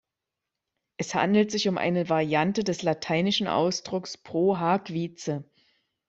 Es handelt sich um eine Variante des lateinischen Ausdrucks "pro hac vice".